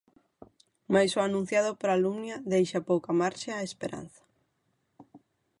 Mais o anunciado por Alumnia deixa pouca marxe á esperanza.